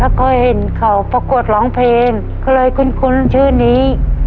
แล้วก็เห็นเขาประกวดร้องเพลงเคยเลยคุ้นคุ้นชื่อนี้